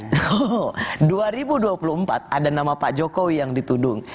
karena nama pak jokowi yang dituding